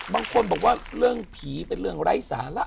บางคนบอกว่าเรื่องผีเป็นเรื่องไร้สาระ